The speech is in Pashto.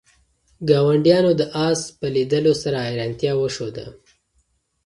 ګاونډیانو د آس په لیدلو سره حیرانتیا وښوده.